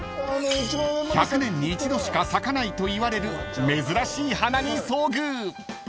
［１００年に一度しか咲かないといわれる珍しい花に遭遇］